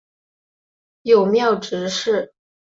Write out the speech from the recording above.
友庙执事。